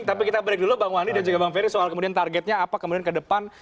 tapi kita break dulu bang wani dan juga bang ferry soal kemudian targetnya apa kemudian ke depan